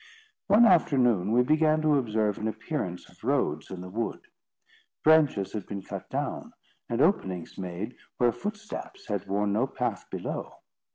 One afternoon, we began to observe an appearance of roads in the wood. Branches had been cut down, and openings made, where footsteps had worn no path below.